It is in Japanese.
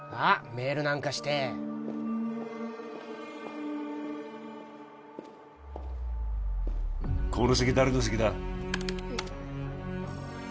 メールなんかしてこの席誰の席だ？